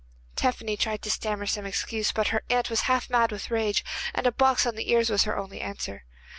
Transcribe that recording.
Tephany tried to stammer some excuse, but her aunt was half mad with rage, and a box on the ears was her only answer.